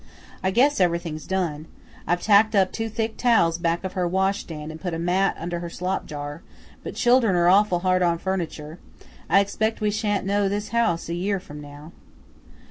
"I guess everything 's done. I've tacked up two thick towels back of her washstand and put a mat under her slop jar; but children are awful hard on furniture. I expect we sha'n't know this house a year from now."